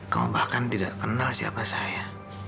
kau bahkan tidak kenal siapa saya